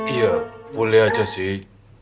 iya boleh aja sih